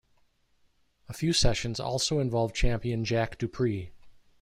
A few sessions also involved Champion Jack Dupree.